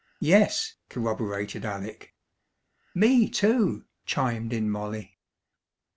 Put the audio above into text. "Yes," corroborated Alec. "Me, too," chimed in Molly.